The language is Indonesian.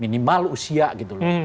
minimal usia gitu loh